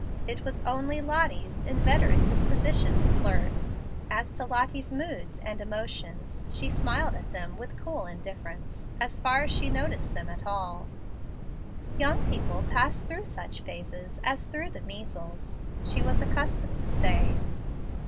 It was only Lottie's "inveterate disposition to flirt." As to Lottie's "moods and emotions," she smiled at them with cool indifference, as far as she noticed them at all. "Young people pass through such phases as through the measles," she was accustomed to say.